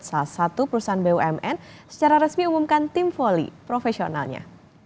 salah satu perusahaan bumn secara resmi umumkan tim voli profesionalnya